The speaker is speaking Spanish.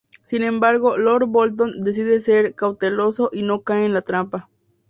Sin embargo, Lord Bolton decide ser cauteloso y no cae en la trampa.